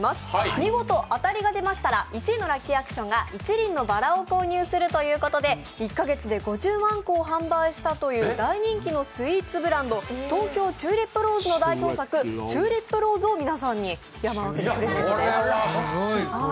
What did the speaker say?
見事当たりが出ましたら、１位のラッキーアクションが一輪のばらを購入するということで１カ月で５０万個を販売したという大人気のスイーツブランド、トウキョウチューリップローズの代表作、チューリップローズを皆さんに山分けしていただきます。